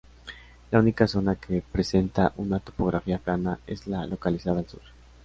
La única zona que presenta una topografía plana, es la localizada al sur.